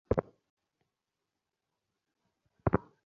দুর্লভ অবসরে অমিত তাকে দেখলে।